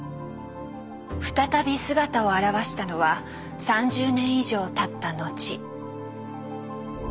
再び姿を現したのは３０年以上たった後。